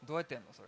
それ。